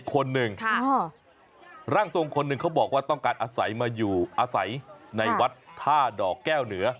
คนหนึ่งร่างทรงคนหนึ่งเขาบอกว่าต้องการอาศัยมาอยู่อาศัยในวัดท่าดอกแก้วเหนือ